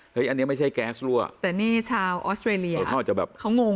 อันนี้ไม่ใช่แก๊สรั่วแต่นี่ชาวออสเตรเลียเขาอาจจะแบบเขางง